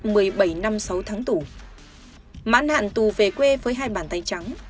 lúc một mươi bảy năm sáu tháng tủ mãn hạn tù về quê với hai bàn tay trắng